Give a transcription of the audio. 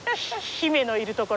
姫のいる所。